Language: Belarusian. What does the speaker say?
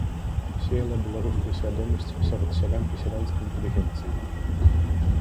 Сеяла беларускую свядомасць сярод сялян і сялянскай інтэлігенцыі.